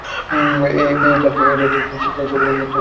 এ জাল কি সে সবলে দুই হাত দিয়া ছিন্ন করিয়া ফেলিবে না?